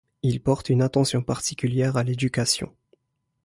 Il porte une attention particulière à l'éducation.